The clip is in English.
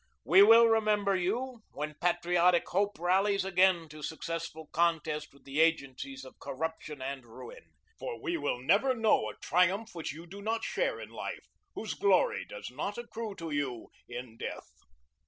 We will remember you when patriotic hope rallies again to successful contest with the agencies of corruption and ruin; for we will never know a triumph which you do not share in life, whose glory does not accrue to you in death."